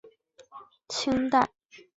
宫前天后宫的历史年代为清代。